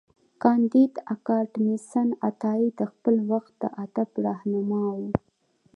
کانديد اکاډميسن عطايي د خپل وخت د ادب رهنما و.